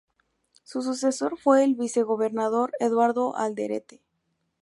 Su sucesor fue el vicegobernador Eduardo Alderete.